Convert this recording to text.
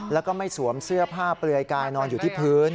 แล้วก็ไม่สวมเสื้อผ้าเปลือยกายนอนอยู่ที่พื้น